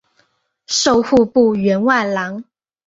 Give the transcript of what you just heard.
授户部员外郎。